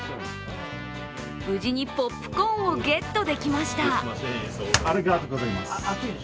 無事にポップコーンをゲットできました。